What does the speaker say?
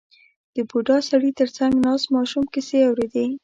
• د بوډا سړي تر څنګ ناست ماشوم کیسې اورېدې.